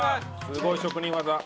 すごい！職人技。